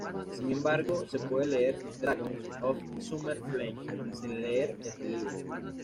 Sin embargo, se puede leer "Dragons of Summer Flame" sin leer este libro.